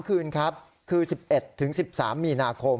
คืนครับคือ๑๑๑๑๓มีนาคม